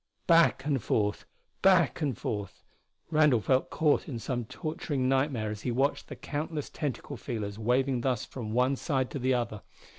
Back and forth back and forth Randall felt caught in some torturing nightmare as he watched the countless tentacle feelers waving thus from one side to the other.